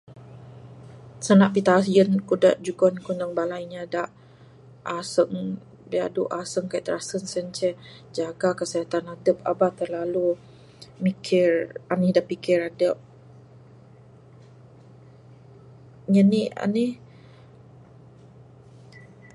Sanda pitayen ku da dog jugon bala inya da aseng da biadu aseng kaik tirasen sien ceh jaga kesihatan adep aba terlalu mikir anih da pikir adep, jani'k anih